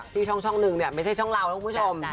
ที่ช่องหนึ่งเนี่ยไม่ใช่ช่องเรานะคุณผู้ชม